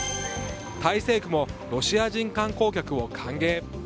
タイ政府もロシア人観光客を歓迎？